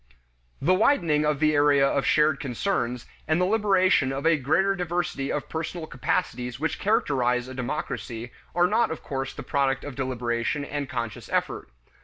The widening of the area of shared concerns, and the liberation of a greater diversity of personal capacities which characterize a democracy, are not of course the product of deliberation and conscious effort.